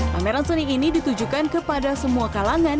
pameran seni ini ditujukan kepada semua kalangan